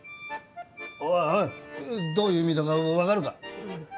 おいおいどういう意味だか分かるか？